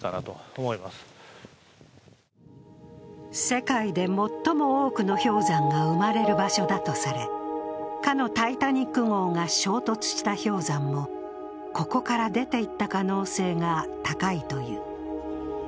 世界で最も多くの氷山が生まれる場所だとされ、かの「タイタニック」号が衝突した氷山もここから出ていった可能性が高いという。